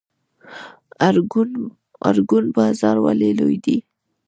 ارګون بازار ولې لوی دی؟